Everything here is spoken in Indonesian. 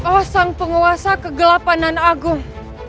oh sang penguasa kegelapanan agung